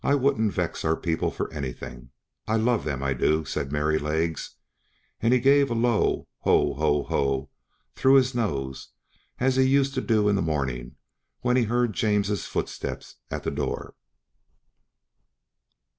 I wouldn't vex our people for anything; I love them, I do," said Merrylegs, and he gave a low "ho, ho, ho," through his nose, as he used to do in the morning when he heard James' footstep at the door.